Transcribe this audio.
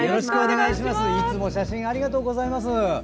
いつも写真ありがとうございます。